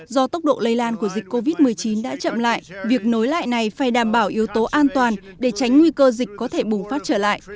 do tốc độ lây lan của dịch covid một mươi chín đã chậm lại việc nối lại này phải đảm bảo yếu tố an toàn để tránh nguy cơ dịch có thể bùng phát trở lại